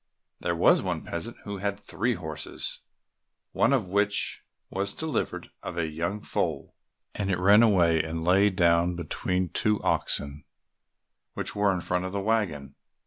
There was one peasant who had three horses, one of which was delivered of a young foal, and it ran away and lay down between two oxen which were in front of the waggon.